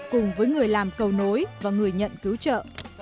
cùng với người làm cầu nối và người nhận cứu trợ